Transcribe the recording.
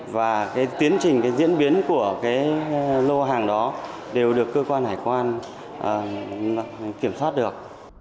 và tiến trình diễn biến của lô hàng đó đều được cơ quan hải quan kiểm soát được